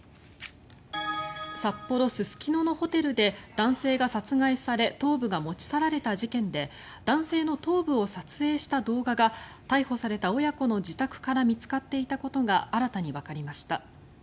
札幌・すすきののホテルで男性が殺害され頭部が持ち去られた事件で男性の頭部を撮影した動画が逮捕された親子の自宅から見つかっていたことが新たにわかりました。